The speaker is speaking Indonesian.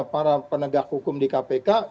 para penegak hukum di kpk